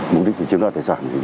mục đích chiếm đoạt tài sản